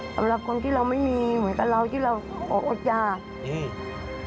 สำหรับคนที่เราไม่มีเหมือนกับเราที่เราออกอดยากอืม